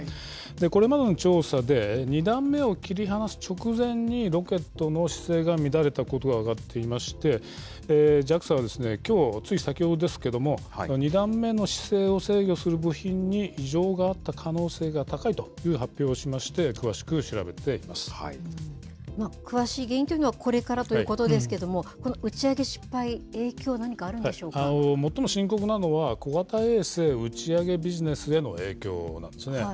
これまでの調査で、２段目を切り離す直前にロケットの姿勢が乱れたことが分かっていまして、ＪＡＸＡはきょうつい先ほどですけれども、２段目の姿勢を制御する部品に異常があった可能性が高いという発表をしまして、詳しく詳しい原因というのはこれからということですけれども、この打ち上げ失敗、影響、何かあるん最も深刻なのは、小型衛星打ち上げビジネスへの影響なんですね。